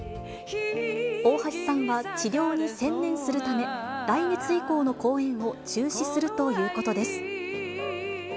大橋さんは治療に専念するため、来月以降の公演を中止するということです。